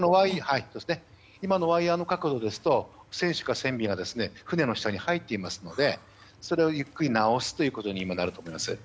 今のワイヤの角度ですと船首か船尾が船の下に入っていますのでそれをゆっくり直すということになるかと思います。